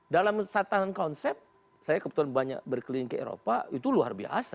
dalam tatanan konsep saya kebetulan banyak berkeliling ke eropa itu luar biasa